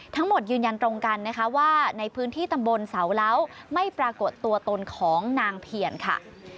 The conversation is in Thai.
ยืนยันตรงกันนะคะว่าในพื้นที่ตำบลเสาเล้าไม่ปรากฏตัวตนของนางเพียรค่ะ